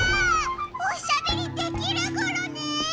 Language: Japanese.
おしゃべりできるゴロね？